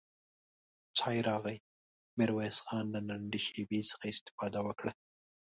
چای راغی، ميرويس خان له لنډې شيبې څخه استفاده وکړه.